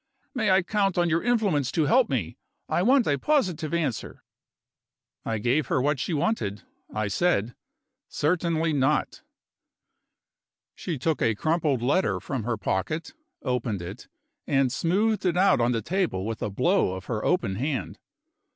"May I count on your influence to help me? I want a positive answer." I gave her what she wanted. I said: "Certainly not." She took a crumpled letter from her pocket, opened it, and smoothed it out on the table with a blow of her open hand.